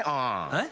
えっ？